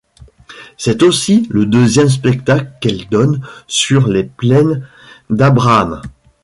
C'est aussi le deuxième spectacle qu'elle donne sur les Plaines d'Abraham.